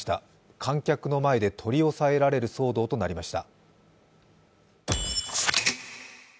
観客の前で取り押さえられる騒動となりました。